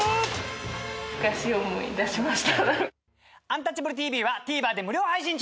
「アンタッチャブるＴＶ」はＴＶｅｒで無料配信中！